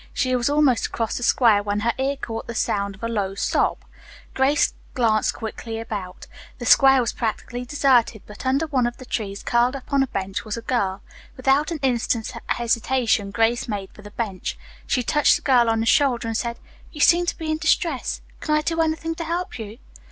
She was almost across the square when her ear caught the sound of a low sob. Grace glanced quickly about. The square was practically deserted, but under one of the great trees, curled up on a bench, was a girl. Without an instant's hesitation Grace made for the bench. She touched the girl on the shoulder and said, "You seem to be in distress. Can I do anything to help you?"